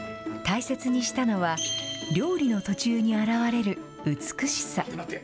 大切にしたのは、料理の途中に表れる美しさ。